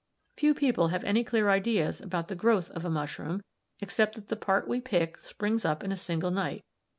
Few people have any clear ideas about the growth of a mushroom, except that the part we pick springs up in a single night.